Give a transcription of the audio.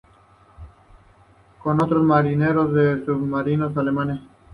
Con otros marineros de submarinos alemanes.